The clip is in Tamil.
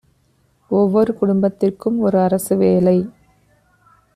ஒவ்வொரு குடும்பத்திற்கும் ஒரு அரசு வேலை